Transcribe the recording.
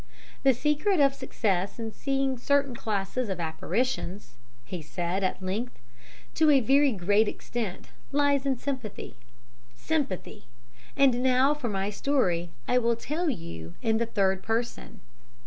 "The secret of success in seeing certain classes of apparitions," he said at length, "to a very great extent lies in sympathy. Sympathy! And now for my story. I will tell it to you in the 'third person.'"